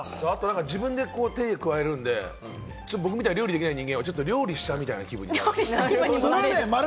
自分で手を加えるんで、僕みたいに、料理できない人間はなんか料理したいみたいな気分に。